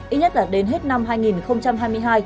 ít nhất là đến hết năm hai nghìn hai mươi hai